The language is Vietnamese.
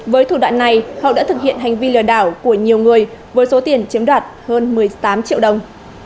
với thủ đoạn này hậu đã thực hiện hành vi lừa đảo của nhiều người với số tiền chiếm đoạt hơn một mươi tám triệu đồng